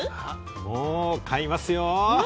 もう買いますよ。